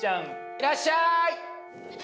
いらっしゃい！